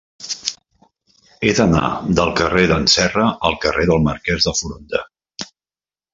He d'anar del carrer d'en Serra al carrer del Marquès de Foronda.